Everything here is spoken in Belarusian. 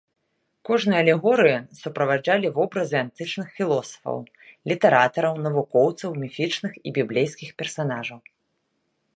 Кожную алегорыю суправаджалі вобразы антычных філосафаў, літаратараў, навукоўцаў, міфічных і біблейскіх персанажаў.